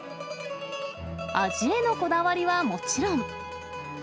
味へのこだわりはもちろん。